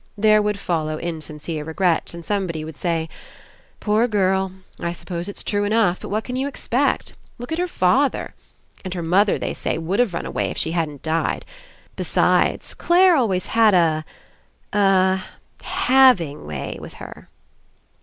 There would follow insincere regrets, and somebody would say: "Poor girl, I suppose it's true enough, but 26 ENCOUNTER what can you expect. Look at her father. And her mother, they say, would have run away If she hadn't died. Besides, Clare always had a — a — having way with her."